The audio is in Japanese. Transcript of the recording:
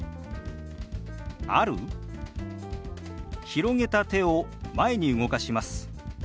広げた手を前に動かします。